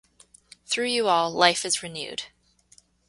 Through you all life is renewed.